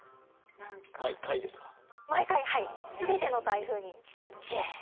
すべての台風に。